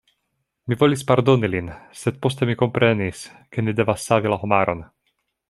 Mi volis pardoni lin, sed poste mi komprenis ke ni devas savi la homaron.